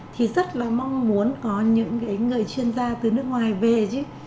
thì rất là mong muốn có những người chuyên gia từ nước ngoài về chứ